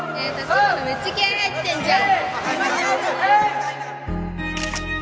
めっちゃ気合い入ってんじゃん